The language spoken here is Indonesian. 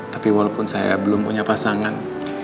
tapi walaupun saya belum punya pasangan